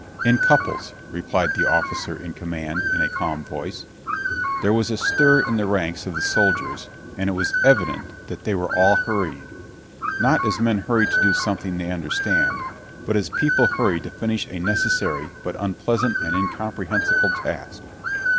"In couples," replied the officer in command in a calm voice. There was a stir in the ranks of the soldiers and it was evident that they were all hurrying—not as men hurry to do something they understand, but as people hurry to finish a necessary but unpleasant and incomprehensible task.